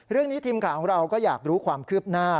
เรื่องนี้ทีมข่าวของเราก็อยากรู้ความคืบหน้า